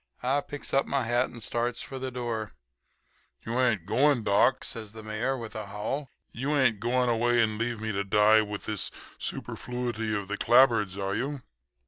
"I picks up my hat and starts for the door. "'You ain't going, doc?' says the Mayor with a howl. 'You ain't going away and leave me to die with this superfluity of the clapboards, are you?'